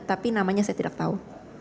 tapi namanya saya tidak tahu